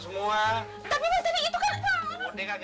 tapi bang tadi itu kan